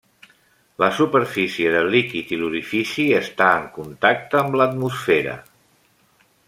La superfície del líquid i l'orifici està en contacte amb l'atmosfera.